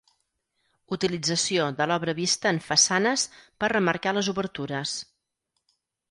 Utilització de l'obra vista en façanes per remarcar les obertures.